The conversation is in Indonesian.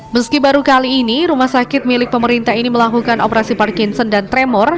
meski baru kali ini rumah sakit milik pemerintah ini melakukan operasi parkinson dan tremor